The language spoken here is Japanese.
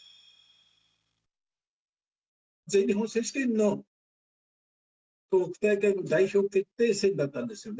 全日本選手権の東北大会の代表決定戦だったんですよね。